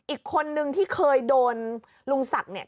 อีกคนนึงที่เคยโดนลุงศักดิ์เนี่ย